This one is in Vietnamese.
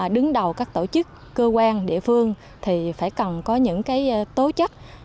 đứng đầu các tổ chức cơ quan địa phương thì phải cần có những tố chất